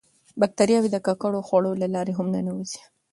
باکتریاوې د ککړو خوړو له لارې هم ننوځي.